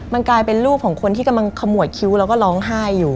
มันกลายเป็นรูปของคนที่กำลังขมวดคิ้วแล้วก็ร้องไห้อยู่